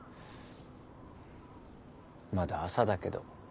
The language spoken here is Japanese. まだ朝だけど。